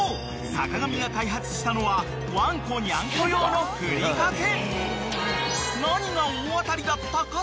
坂上が開発したのはワンコ・ニャンコ用のふりかけ］